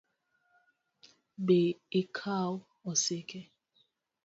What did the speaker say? Bi ikaw osiki